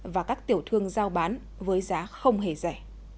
và các tiểu thương giao bán với giá không hề rẻ